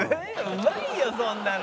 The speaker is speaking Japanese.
うまいよそんなの」